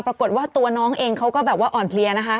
ปรากฏว่าตัวน้องเองเขาก็แบบว่าอ่อนเพลียนะคะ